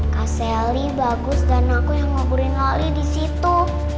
kak selly bagus dan aku yang nguburin lali di situ